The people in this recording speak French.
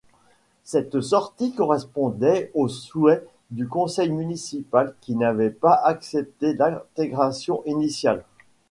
Cette sortie correspondait au souhait du conseil municipal qui n'avait pas accepté l'intégration initiale.